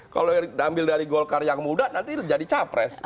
kalau diambil dari golkar yang muda nanti jadi capres